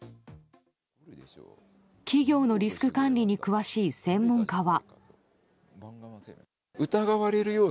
企業のリスク管理に詳しい専門家は。